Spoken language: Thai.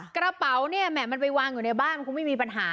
กระเป๋าเนี่ยแหม่มันไปวางอยู่ในบ้านคงไม่มีปัญหา